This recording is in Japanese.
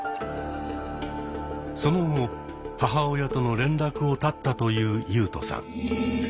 その後母親との連絡を絶ったというユウトさん。